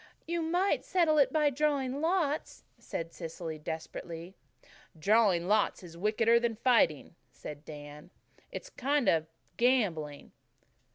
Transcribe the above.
"You might settle it by drawing lots," said Cecily desperately. "Drawing lots is wickeder that fighting," said Dan. "It's a kind of gambling."